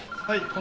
はい。